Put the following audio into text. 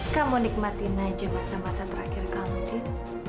kamu nikmatin aja masa masa terakhir kamu din